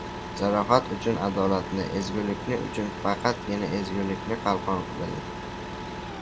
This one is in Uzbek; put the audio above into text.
— Jarohat uchun adolatni, ezgulik uchun faqatgina ezgulikni qalqon biling.